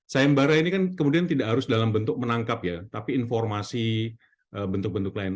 sayembara ini kan kemudian tidak harus dalam bentuk menangkap ya tapi informasi bentuk bentuk lain